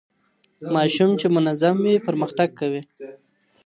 ماشوم چي منظم وي پرمختګ کوي.